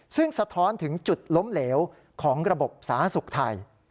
ซึ่งสะท้อนถึงจุดล้มเหลวของระบบสาธารณสุขไทย